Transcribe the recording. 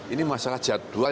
ini masalah jadwal